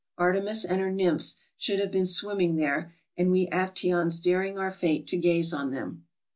Artemis and her nymphs should have been swimming there, and we Actaeons daring our fate to gaze on them.